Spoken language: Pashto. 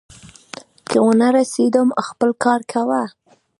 که ونه رسېدم، خپل کار کوه.